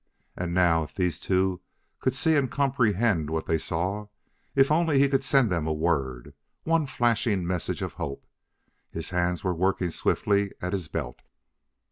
And now if these two could see and comprehend what they saw: if only he could send them a word one flashing message of hope! His hands were working swiftly at his belt.